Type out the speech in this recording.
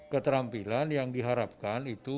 keterampilan yang diharapkan itu